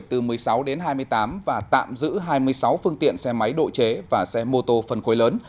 từ một mươi sáu đến hai mươi tám và tạm giữ hai mươi sáu phương tiện xe máy độ chế và xe mô tô phân khối lớn